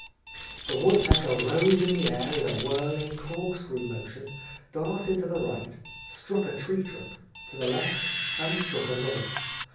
The woodpecker rose in the air with a whirling, corkscrew motion, darted to the right, struck a tree trunk, — to the left, and struck another.